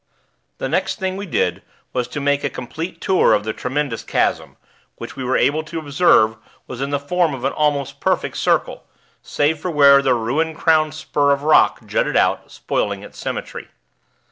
The next thing we did was to make a complete tour of the tremendous chasm, which we were able to observe was in the form of an almost perfect circle, save for where the ruin crowned spur of rock jutted out, spoiling its symmetry.